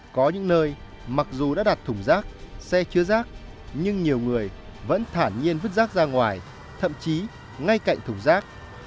có những nơi mặc dù đã đặt thùng rác xe chứa rác nhưng nhiều người vẫn thản nhiên vứt rác ra ngoài thậm chí ngay cạnh thùng rác